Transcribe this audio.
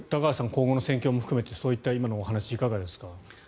今後の戦況も含めてこういった話いかがですか。